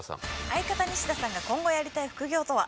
相方西田さんが今後やりたい副業とは？